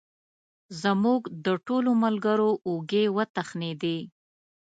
زموږ د ټولو ملګرو اوږې وتخنېدې.